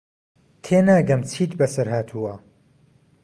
تێناگەم چیت بەسەر هاتووە.